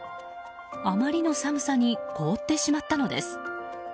あまりの寒さに凍ってしまったのです。